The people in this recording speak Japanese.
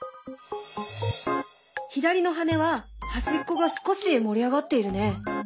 左の羽は端っこが少し盛り上がっているね。